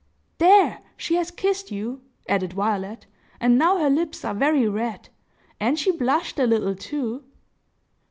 "There! she has kissed you," added Violet, "and now her lips are very red. And she blushed a little, too!"